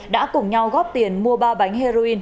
đã cùng nhau góp tiền mua ba bánh heroin